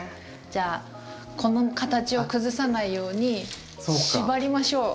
じゃあこの形を崩さないように縛りましょう。